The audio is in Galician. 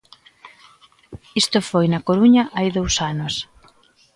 Isto foi na Coruña hai dous anos.